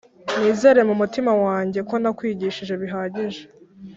nizere mu mutima wanjye, ko nakwigishije bihagije